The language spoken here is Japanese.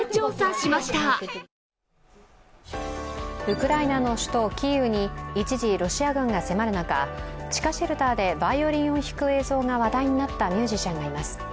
ウクライナの首都キーウに一時ロシア軍が迫る中、地下シェルターでバイオリンを弾く映像が話題になったミュージシャンがいます。